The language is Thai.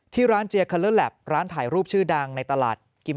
ที่ร้านเจียคัลเลอร์แลปร้านถ่ายรูปชื่อดังในตลาดกิม